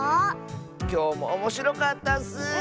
きょうもおもしろかったッス！